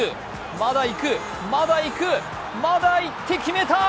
まだ行く、まだ行く、まだ行って決めた！